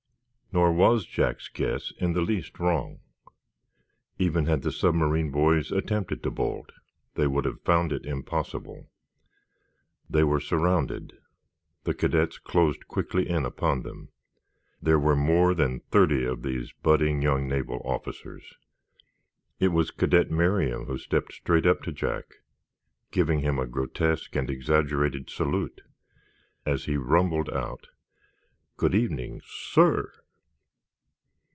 Nor was Jack's guess in the least wrong. Even had the submarine boys attempted to bolt they would have found it impossible. They were surrounded. The cadets closed quickly in upon them. There were more than thirty of these budding young naval officers. It was Cadet Merriam who stepped straight up to Jack, giving him a grotesque and exaggerated salute, as he rumbled out: "Good evening, SIR!"